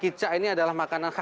kicak ini adalah makanan